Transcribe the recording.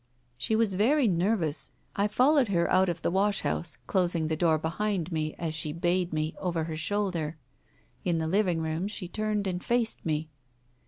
..." She was very nervous. I followed her out of the wash house, closing the door behind me, as she bade me, over her shoulder. In the living room, she turned and faced me.